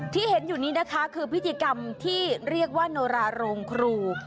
ที่เห็นอยู่นี้นะคะคือพิธีกรรมที่เรียกว่าโนราโรงครู